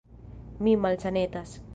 Mi malsanetas.